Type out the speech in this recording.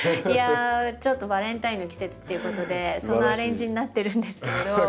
いやちょっとバンタインの季節っていうことでそのアレンジになってるんですけれど。